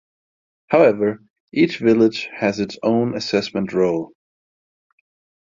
However, each village has its own assessment roll.